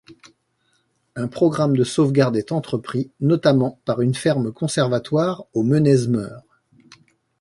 Un programme de sauvegarde est entrepris, notamment par une ferme conservatoire au Menez-Meur.